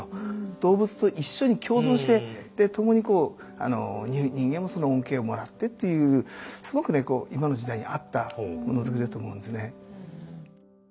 動物と一緒に共存して共に人間もその恩恵をもらってというすごく今の時代に合ったものづくりだと思うんですね。